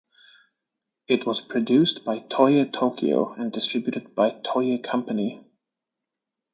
It was produced by Toei Tokyo and distributed by Toei Company.